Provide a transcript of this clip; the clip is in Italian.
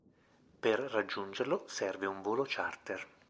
Per raggiungerlo serve un volo charter.